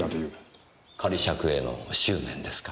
仮釈への執念ですか。